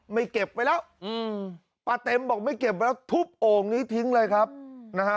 เก็บไว้แล้วอืมป้าเต็มบอกไม่เก็บแล้วทุบโอ่งนี้ทิ้งเลยครับนะฮะ